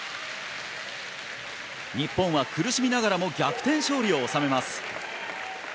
日本は苦しみながらも逆転勝利を収めます。